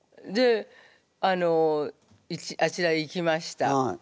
あのあちらへ行きました。